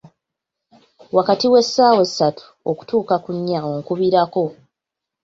Wakati w'essaawa ssatu okutuuka ku nnya onkubirako.